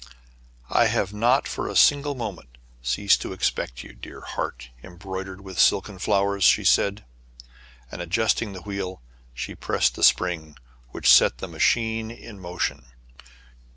" I have not for a single moment ceased to ex pect you, dear heart embroidered with silken flow ers!" she said. And, adjusting the wheel, she pressed the spring, which set the. machine in mo tion.